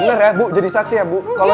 bener ya bu jadi saksi ya bu